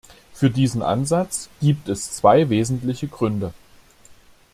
Für diesen Ansatz gibt es zwei wesentliche Gründe.